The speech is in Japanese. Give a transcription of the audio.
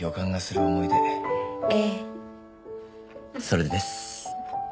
それです。